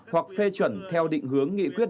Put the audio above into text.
hoặc phê chuẩn theo định hướng nghị quyết